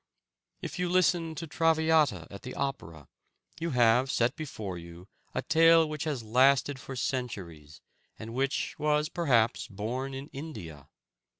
If you listen to Traviata at the opera, you have set before you a tale which has lasted for centuries, and which was perhaps born in India.